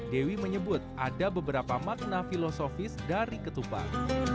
dewi menyebut ada beberapa makna filosofis dari ketupat